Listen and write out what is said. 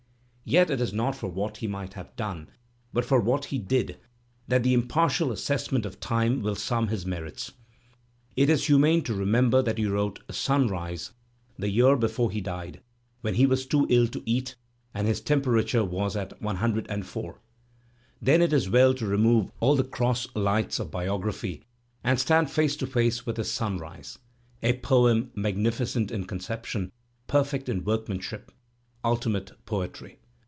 Yet it is not for what he might have done but for what he did that the impartial assessment of time will sum his merits. It is humane to remember that he wrote ^'Sunrise" Digitized by Google 814 THE spmrr op American literature the year before he died, when he was too ill to eat and his temperature was at 104; then it is well to remove all the cross lights of biography and stand face to face with his "Sunrise," a poem magnificent in conception, perfect in workmanship, ultimate poetry.